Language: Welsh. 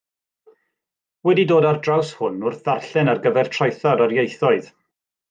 Wedi dod ar draws hwn wrth ddarllen ar gyfer traethawd ar ieithoedd.